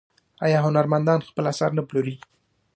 آیا هنرمندان خپل اثار نه پلوري؟